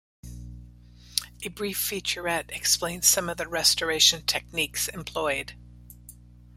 A brief featurette explains some of the restoration techniques employed.